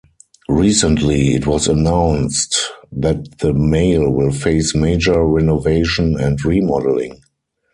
Recently, it was announced that the mall will face major renovation and remodeling.